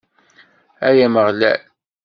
Ay Ameɣlal!